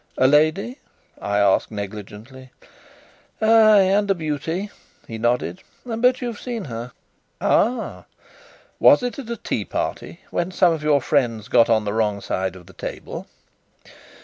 "A lady?" I asked negligently. "Ay, and a beauty," he nodded. "But you've seen her." "Ah! was it at a tea party, when some of your friends got on the wrong side of the table?"